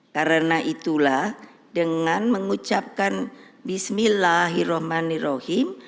karena itulah dengan mengucapkan bismillahirrahmanirrahim